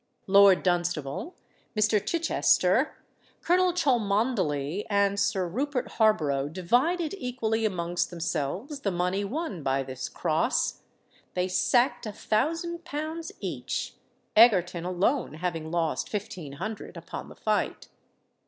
Lord Dunstable, Mr. Chichester, Colonel Cholmondeley, and Sir Rupert Harborough divided equally amongst themselves the money won by this "cross;"—they sacked a thousand pounds each, Egerton alone having lost fifteen hundred upon the fight.